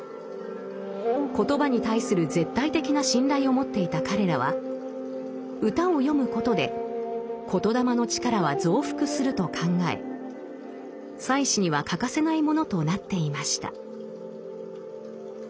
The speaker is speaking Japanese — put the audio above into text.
言葉に対する絶対的な信頼を持っていた彼らは歌を詠むことで言霊の力は増幅すると考え祭祀には欠かせないものとなっていました。